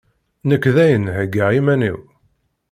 Nekk dayen heggaɣ iman-iw!